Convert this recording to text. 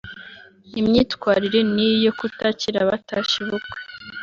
Imyitwarire n’iyi yo kutakira abatashye ububwe